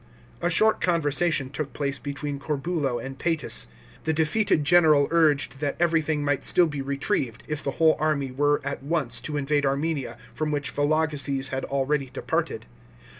* A short conversation took place between Corbulo and Paetus. The defeated general urged that everything might still be retrieved if the whole army were at once to invade Armenia, from which Vologeses had already departed.